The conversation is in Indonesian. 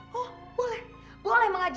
boleh boleh mengaji